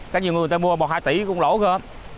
các nhiều người người ta mua một hai tỷ cũng lỗ cơ